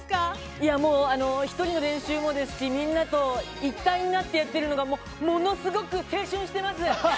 いやもう、１人の練習もですし、みんなと一体になってやってるのがものすごく青春してます。